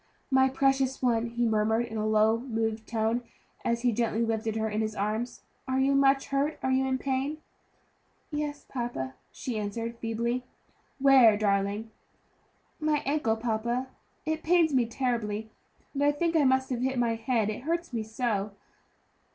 "My precious one," he murmured in a low, moved tone, as he gently lifted her in his arms; "are you much hurt? Are you in pain?" "Yes, papa," she answered feebly. "Where, darling?" "My ankle, papa; it pains me terribly; and I think I must have hit my head, it hurts me so."